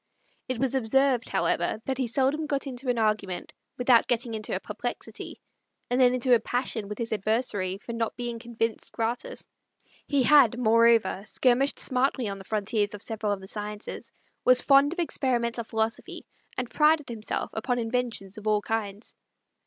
It was observed, however, that he seldom got into an argument without getting into a perplexity, and then into a passion with his adversary for not being convinced gratis. He had, moreover, skirmished smartly on the frontiers of several of the sciences, was fond of experimental philosophy, and prided himself upon inventions of all kinds.